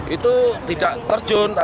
itu tidak terjadi